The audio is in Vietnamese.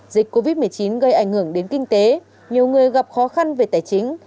dịch covid một mươi chín gây ảnh hưởng đến kinh tế nhiều người gặp khó khăn về tài chính